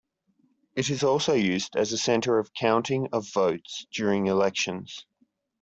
It is also used as a center of counting of votes during elections.